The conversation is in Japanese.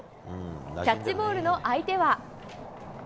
キャッチボールの相手は。